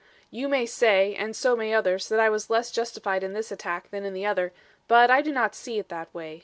"You may say and so may others that I was less justified in this attack than in the other; but I do not see it that way.